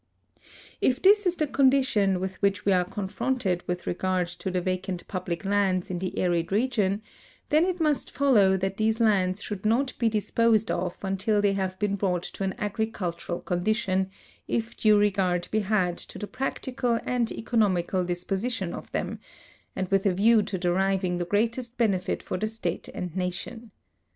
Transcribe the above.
If this is the condition with which we are confronted with re gard to tlie vacant })ublic lands in the arid region, then it must follow that these lands should not be disposed of until they have been brought to an agricultural condition, if due regard be had to the practical and economical disposition of then), and with a view to deriving the greatest benefit for the state and nation.